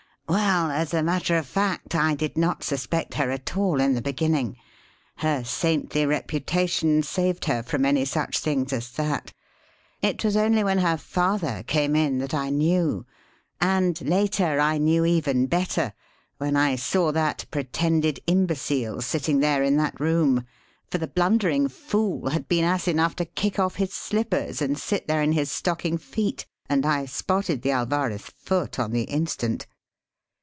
"Well, as a matter of fact, I did not suspect her at all, in the beginning her saintly reputation saved her from any such thing as that. It was only when her father came in that I knew. And later, I knew even better when I saw that pretended imbecile sitting there in that room; for the blundering fool had been ass enough to kick off his slippers and sit there in his stocking feet, and I spotted the Alvarez foot on the instant.